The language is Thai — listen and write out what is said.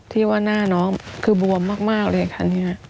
ที่หน้าน้องคือบวมมากเลยค่ะ